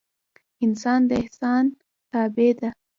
انسان د احسان تابع ده